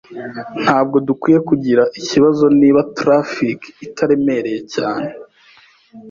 Ntabwo dukwiye kugira ikibazo niba traffic itaremereye cyane.